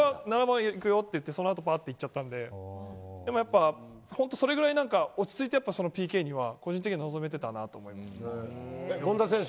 僕が７番目いくよと言ってその後ぱーっと行っちゃったのででも、それぐらい落ち着いてＰＫには個人的には臨めていたなと思います。